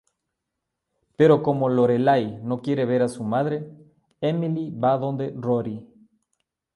Pero como Lorelai no quiere ver a su madre, Emily va donde Rory.